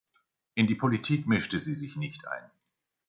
In die Politik mischte sie sich nicht ein.